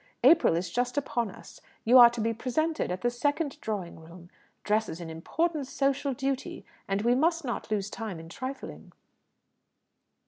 April is just upon us. You are to be presented at the second Drawing room. Dress is an important social duty, and we must not lose time in trifling."